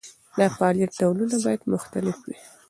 د فعالیت ډولونه باید مختلف وي.